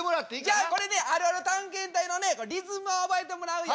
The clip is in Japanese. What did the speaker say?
じゃあこれねあるある探検隊のねリズムを覚えてもらうよ。